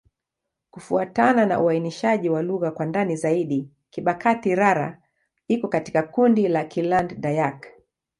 Kufuatana na uainishaji wa lugha kwa ndani zaidi, Kibakati'-Rara iko katika kundi la Kiland-Dayak.